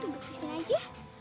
tunggu di sini aja